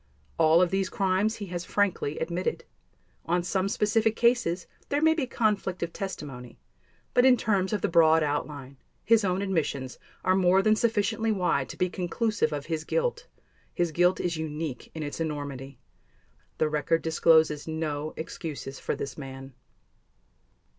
All of these crimes he has frankly admitted. On some specific cases there may be conflict of testimony but in terms of the broad outline, his own admissions are more than sufficiently wide to be conclusive of his guilt. His guilt is unique in its enormity. The record discloses no excuses for this man.